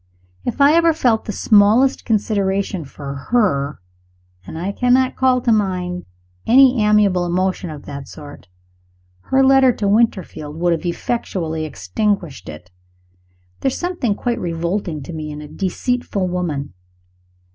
If I ever felt the smallest consideration for her (and I cannot call to mind any amiable emotion of that sort), her letter to Winterfield would have effectually extinguished it. There is something quite revolting to me in a deceitful woman.